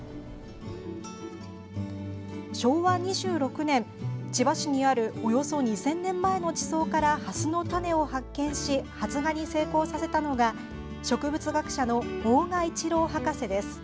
昭和２６年、千葉市にあるおよそ２０００年前の地層からハスの種を発見し発芽に成功させたのが植物学者の大賀一郎博士です。